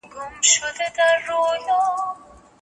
انا په یخ ژمي کې د بلې خونې ور خلاص کړ.